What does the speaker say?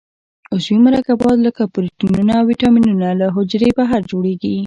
عضوي مرکبات لکه پروټینونه او وېټامینونه له حجرې بهر جوړیږي.